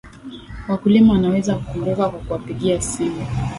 wakulima wanaweza kukumbuka kwa kuwapigia simu